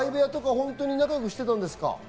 本当に仲良くしていたんですか？